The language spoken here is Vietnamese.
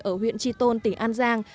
ở huyện tri tôn tỉnh an giang